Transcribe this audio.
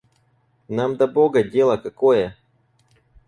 Нам до бога дело какое?